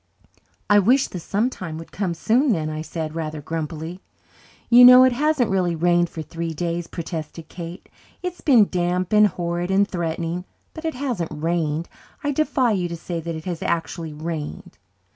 "I wish the 'sometime' would come soon, then," I said, rather grumpily. "You know it hasn't really rained for three days," protested Kate. "It's been damp and horrid and threatening, but it hasn't rained. I defy you to say that it has actually rained."